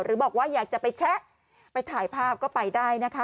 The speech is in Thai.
บอกว่าอยากจะไปแชะไปถ่ายภาพก็ไปได้นะคะ